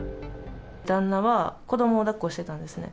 旦那は子どもをだっこしてたんですね。